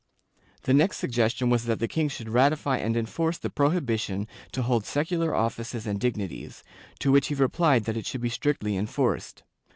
The next suggestion was that the king should ratify and enforce the prohibition to hold secular offices and dignities, to which he replied that it should be strictly enforced.